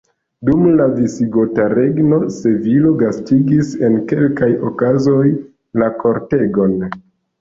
Dum la visigota regno Sevilo gastigis en kelkaj okazoj la kortegon.